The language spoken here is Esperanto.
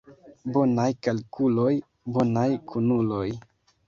Bonaj kalkuloj, bonaj kunuloj.